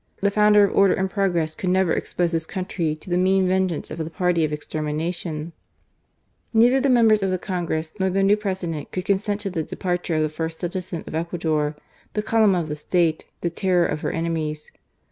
The founder of order and progress could never expose his country to the mean vengeance of the party of extermination. THE ONE NECESSARY MAN, 171 Neither the members of the Congress nor the new President could consent to the departure of the first citizen of Ecuador, the column of the State, the terror of her enemies."